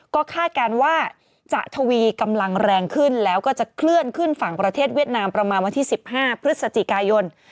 ก็คาดการณ์ว่าจะทวีกำลังแรงขึ้นแล้วก็จะเคลื่อนขึ้นฝั่งประเทศเวียดนามประมาณวันที่๑๕พฤศจิกายน